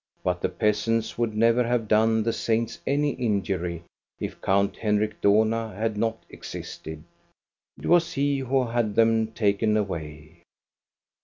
But the peasants would never have done the saints any injury if Count Henrik Dohna had not existed. It was he who had them taken away.